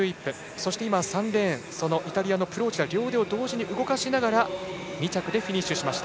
そして３レーンイタリアのプローチダ両腕を同時に動かしながら２着でフィニッシュしました。